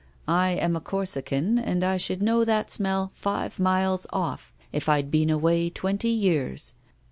I am a Corsican, and I should know that smell five miles off, if I'd been away twenty years.